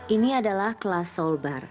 ini adalah kelas soul bar